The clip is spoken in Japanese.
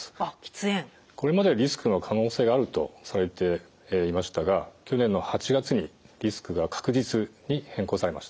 これまではリスクの可能性があるとされていましたが去年の８月に「リスクが確実」に変更されました。